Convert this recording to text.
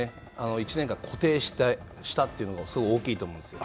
１年間、固定したというのがすごい大きいと思うんですよ。